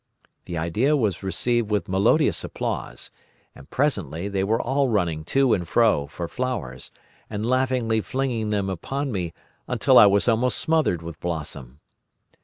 The idea was received with melodious applause; and presently they were all running to and fro for flowers, and laughingly flinging them upon me until I was almost smothered with blossom.